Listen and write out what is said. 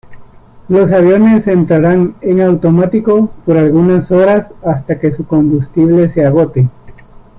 Los aviones entrarán en automático por algunas horas hasta que su combustible se agote.